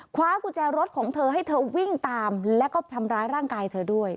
คว้ากุญแจรถของเธอให้เธอวิ่งตามแล้วก็ทำร้ายร่างกายเธอด้วย